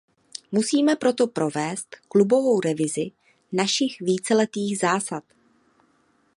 Musíme proto provést hlubokou revizi našich víceletých zásad.